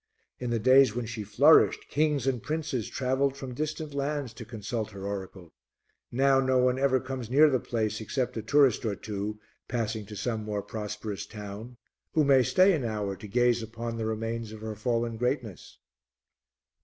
In the days when she flourished, kings and princes travelled from distant lands to consult her oracle; now no one ever comes near the place except a tourist or two, passing to some more prosperous town, who may stay an hour to gaze upon the remains of her fallen greatness."